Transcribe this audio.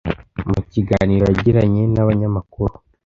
mu kiganiro yagiranye n’abanyamakuru